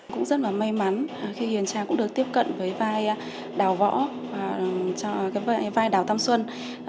cũng rất là may mắn khi hiền trang cũng được tiếp cận với vai đào võ cái vợ vai đào tam xuân